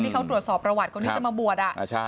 ที่เขาตรวจสอบประวัติคนที่จะมาบวช